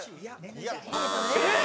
えっ！